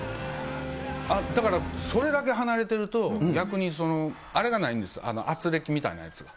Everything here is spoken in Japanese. だからそれだけ離れてると、逆にあれがないんです、あつれきみたいなやつが。